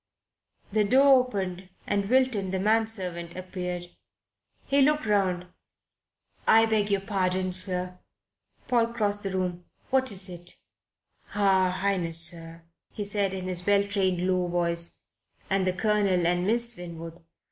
The door opened and Wilton, the man servant, appeared. He looked round. "I beg your pardon, sir." Paul crossed the room. "What is it?" "Her Highness, sir," he said in his well trained, low voice, "and the Colonel and Miss Winwood.